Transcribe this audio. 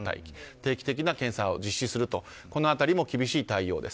定期的な検査を実施するとこの辺りも厳しい対応です。